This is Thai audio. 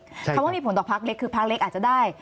คำว่ามีผลต่อพักเล็กคือพักเล็กอาจจะได้